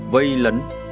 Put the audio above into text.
vây lấn tấn phá triệt diệt